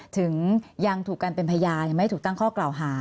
ถึงยังถูกกันเป็นพยานไม่ถูกตั้งข้อกล่าวหา